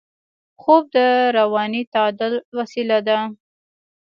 خوب د رواني تعادل وسیله ده